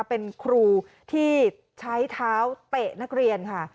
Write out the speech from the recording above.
เป็นครูที่ใช้เท้าเตะนักเรียนค่ะ